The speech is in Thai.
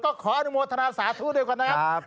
ก็ขออนุโมทนาสาธุด้วยกันนะครับ